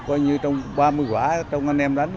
coi như trong ba mươi quả trong anh em đánh